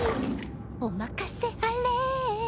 お任せあれ。